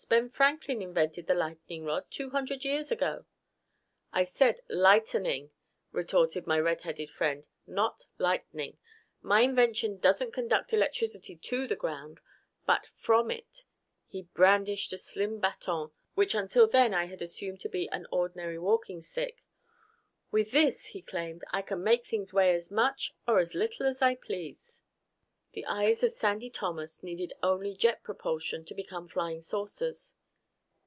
Ben Franklin invented the lightning rod two hundred years ago." "I said lightening," retorted my redheaded friend, "not lightning. My invention doesn't conduct electricity to the ground, but from it." He brandished a slim baton which until then I had assumed to be an ordinary walking stick. "With this," he claimed, "I can make things weigh as much or as little as I please!" The eyes of Sandy Thomas needed only jet propulsion to become flying saucers.